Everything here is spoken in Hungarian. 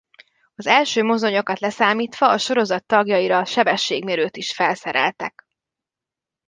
Az első mozdonyokat leszámítva a sorozat tagjaira sebességmérőt is felszereltek.